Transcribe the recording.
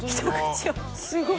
すごい。